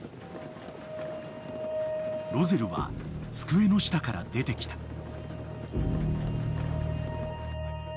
［ロゼルは机の下から出てきた］